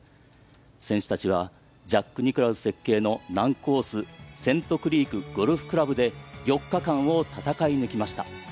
選手たちは、ジャック・ニクラウス設計の難コース、セントクリークゴルフクラブで４日間を戦い抜きました。